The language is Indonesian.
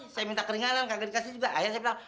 saya minta keringanan gak dikasih juga akhirnya saya bilang